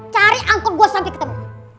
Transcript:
cari anggot gue sampai ketemu